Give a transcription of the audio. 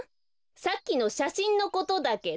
さっきのしゃしんのことだけど。